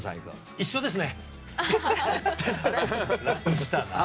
一緒ですね！